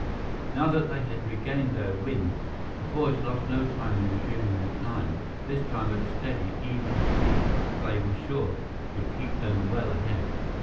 Now that they had regained their wind, the boys lost no time in resuming their climb, this time at a steady, even speed that they were sure would keep them well ahead.